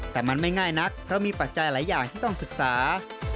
แต่มันไม่ง่ายนักเพราะมีปัจจัยหลายอย่างที่ต้องศึกษา